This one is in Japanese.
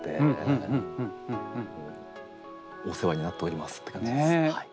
お世話になっておりますって感じですね。